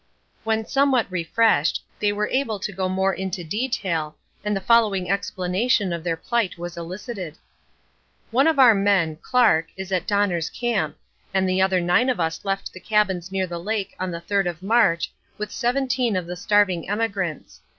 When somewhat refreshed, they were able to go more into detail, and the following explanation of their plight was elicited: "One of our men, Clark, is at Donner's Camp, and the other nine of us left the cabins near the lake on the third of March, with seventeen of the starving emigrants.